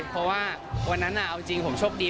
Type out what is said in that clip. เพราะว่าวันนั้นเอาจริงผมโชคดี